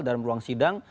dalam ruang sidang